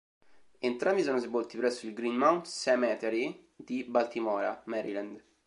Entrambi sono sepolti presso il Green Mount Cemetery di Baltimora, Maryland.